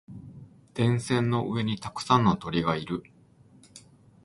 電線の上にたくさんの鳥がいる。